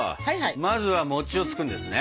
まずは餅をつくんですね？